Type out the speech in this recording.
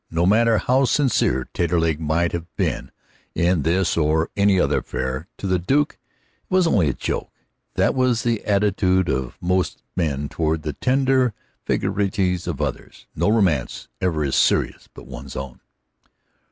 No matter how sincere Taterleg might have been in this or any other affair, to the Duke it was only a joke. That is the attitude of most men toward the tender vagaries of others. No romance ever is serious but one's own.